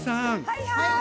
はいはい！